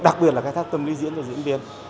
đặc biệt là khai thác tâm lý diễn cho diễn viên